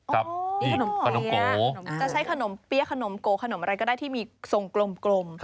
จะใช้ขนมเปี้ยขนมโก้ขนมอะไรก็ได้ที่มีส่งกลม